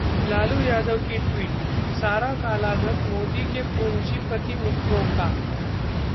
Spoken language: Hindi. लालू यादव का ट्वीट, 'सारा काला धन मोदी के पूंजीपति मित्रों का'